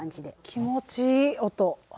気持ちいい音。